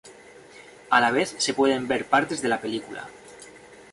A la vez se pueden ver partes de la película.